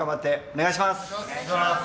お願いします。